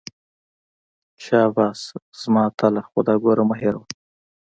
شابه زما اتله خو دا ګوره مه هېروه.